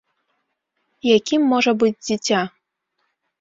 Якім можа быць дзіця?